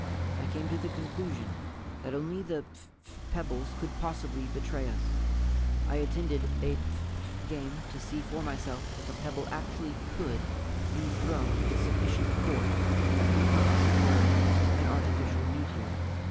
I came to the conclusion that only the phph pebbles could possibly betray us. I attended a phph game to see for myself if a pebble actually could be thrown with sufficient force to become, as it were, an artificial meteor.